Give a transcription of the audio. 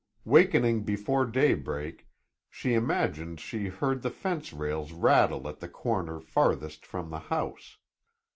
Wakening before daybreak, she imagined she heard the fence rails rattle at the corner farthest from the house.